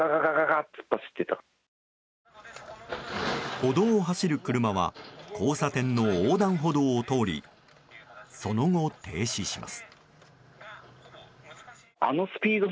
歩道を走る車は交差点の横断歩道を通りその後、停止します。